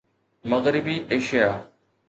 مغربي ايشيا